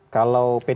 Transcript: kalau p tiga ini